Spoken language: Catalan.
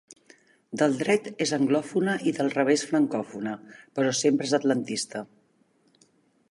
Del dret és anglòfona i del revés francòfona, però sempre és atlantista.